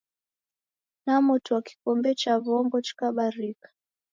Namotua kikombe cha w'ongo chikabarika.